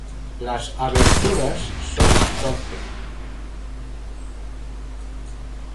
Las aberturas son doce.